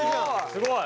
すごい！